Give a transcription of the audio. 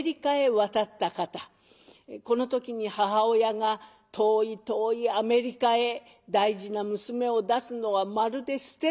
この時に母親が「遠い遠いアメリカへ大事な娘を出すのはまるで捨てるようなもの。